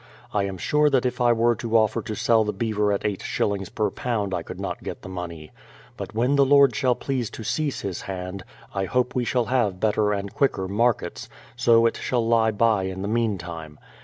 I am sure that if I were to offer to sell the beaver at eight shillings per lb. I could not get the monej'. But when the Lord shall please to cease His hand, I hope we shall have better and quicker markets ; so it shall lie by in the meantime.